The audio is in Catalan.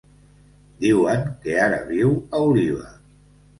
Diuen que ara viu a Oliva.